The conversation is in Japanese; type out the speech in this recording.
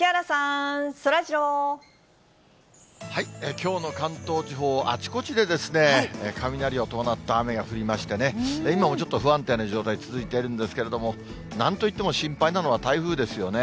きょうも関東地方、あちこちで雷を伴った雨が降りましてね、今もちょっと不安定な状態、続いているんですけれども、なんといっても心配なのは台風ですよね。